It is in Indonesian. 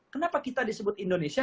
kenapa kita disebut indonesia